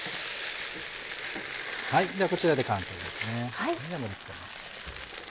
こちらで完成です。